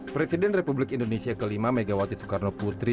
presiden republik indonesia ke lima megawati soekarno putri